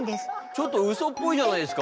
ちょっとうそっぽいじゃないですか。